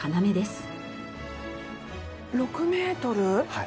はい。